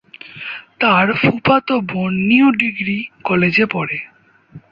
তার ফুফাতো বোন নিউ ডিগ্রি কলেজে পড়ে।